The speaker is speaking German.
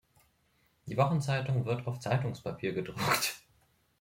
Die Wochenzeitung wird auf Zeitungspapier gedruckt.